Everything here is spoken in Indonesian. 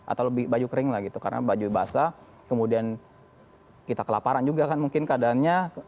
atau lebih baju kering lah gitu karena baju basah kemudian kita kelaparan juga kan mungkin keadaannya